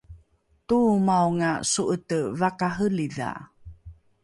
toomaonga so’ete vakarelidha